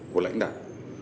của lãnh đạo